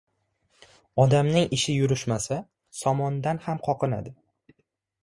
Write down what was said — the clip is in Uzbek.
• Odamning ishi yurishmasa, somondan ham qoqinadi.